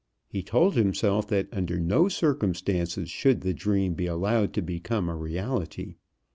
He told himself that under no circumstances should the dream be allowed to become a reality.